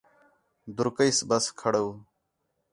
دُر کیئس بس کھڑ آؤ